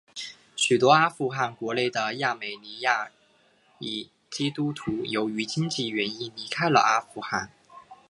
许多阿富汗国内的亚美尼亚裔基督徒由于经济原因离开了阿富汗。